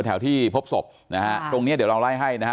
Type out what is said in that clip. แถวที่พบศพตรงนี้เดี๋ยวเราไล่ให้นะครับ